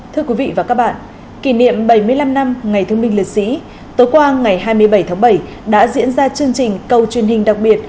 thưa quý vị và các bạn kỷ niệm bảy mươi năm năm ngày thương minh liệt sĩ tối qua ngày hai mươi bảy tháng bảy đã diễn ra chương trình câu truyền hình đặc biệt